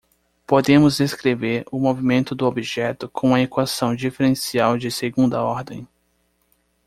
Podemos descrever o movimento do objeto com uma equação diferencial de segunda ordem.